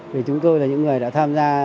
vì chúng tôi là những người đã tham gia